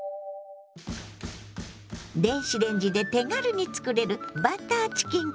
電子レンジで手軽につくれる「バターチキンカレー」。